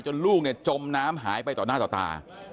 ลูกเนี่ยจมน้ำหายไปต่อหน้าต่อตา